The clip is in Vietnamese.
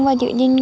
và giữ gìn